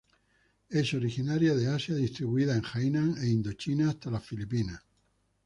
Es originaria de Asia distribuidas en Hainan e Indochina hasta las Filipinas.